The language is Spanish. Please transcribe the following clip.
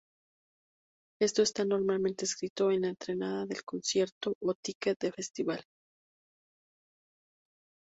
Esto está normalmente escrito en la entrada del concierto o ticket de festival.